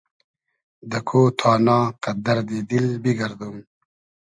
دۂ کۉ تانا قئد دئردی دیل بیگئردوم